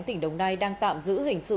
tỉnh đồng nai đang tạm giữ hình sự